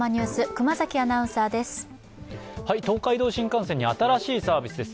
熊崎アナウンサーです。